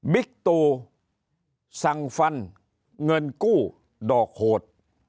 ตูสั่งฟันเงินกู้ดอกโหด